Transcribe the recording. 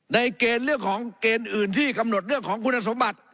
ในเกณฑ์เรียนเรื่องอื่นที่กำหนดเรียนเรื่องของคุณสมบัติ